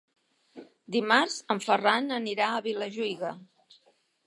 Dimarts en Ferran anirà a Vilajuïga.